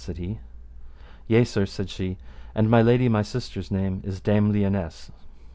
said he. Yea, sir, said she, and my lady my sister's name is Dame Lionesse.